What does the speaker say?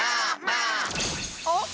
あっ！